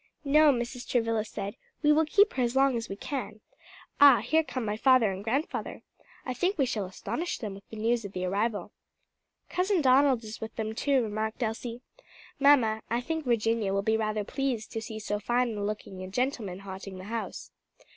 "No," Mrs. Travilla said, "we will keep her as long as we can. Ah, here come my father and grandfather. I think we shall astonish them with the news of the arrival." "Cousin Donald is with them too," remarked Elsie. "Mamma, I think Virginia will be rather pleased to see so fine looking a gentleman haunting the house."